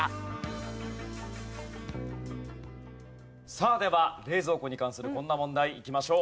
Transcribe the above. さあでは冷蔵庫に関するこんな問題いきましょう。